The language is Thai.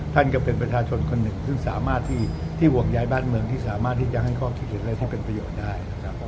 ก็เป็นประชาชนคนหนึ่งซึ่งสามารถที่ห่วงใยบ้านเมืองที่สามารถที่จะให้ข้อคิดเห็นอะไรที่เป็นประโยชน์ได้นะครับ